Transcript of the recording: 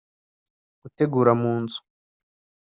gutegura mu nzu